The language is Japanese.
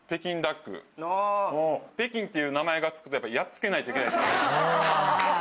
北京っていう名前が付くとやっぱやっつけないといけない。